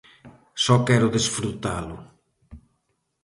Só quero desfrutalo.